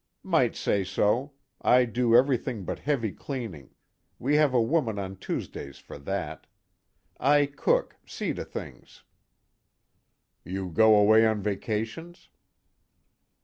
"Might say so. I do everything but heavy cleaning, we have a woman on Tuesdays for that. I cook, see to things." "You go away on vacations?"